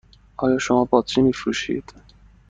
آیا شما باطری می فروشید؟